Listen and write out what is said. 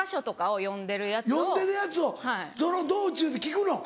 読んでるやつをその道中で聴くの？